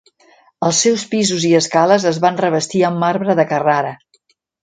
Els seus pisos i escales es van revestir amb marbre de Carrara.